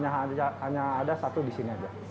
hanya ada satu disini aja